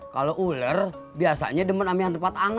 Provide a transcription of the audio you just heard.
kalau ular biasanya demen amiran tempat anggar